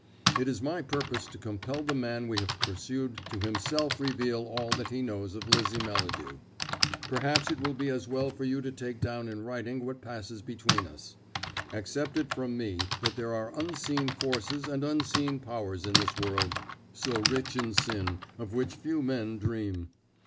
It is my purpose to compel the man we have pursued to himself reveal all that he knows of Lizzie Melladew. Perhaps it will be as well for you to take down in writing what passes between us. Accept it from me that there are unseen forces and unseen powers in this world, so rich in sin, of which few men dream.